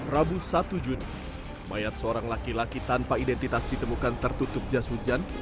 rabu satu juni mayat seorang laki laki tanpa identitas ditemukan tertutup jas hujan